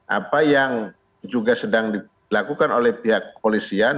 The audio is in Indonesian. apa yang juga sedang dilakukan oleh pihak polisian